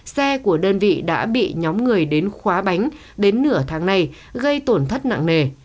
xe của đơn vị đã bị nhóm người đến khóa bánh đến nửa tháng này gây tổn thất nặng nề